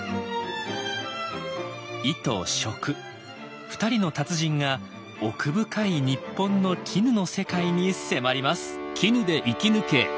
衣と食２人の達人が奥深い日本の絹の世界に迫ります。